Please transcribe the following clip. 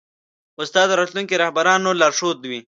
استاد د راتلونکو رهبرانو لارښود وي.